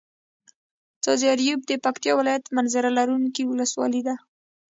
ځاځي اريوب د پکتيا ولايت منظره لرونکي ولسوالي ده.